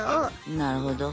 なるほど。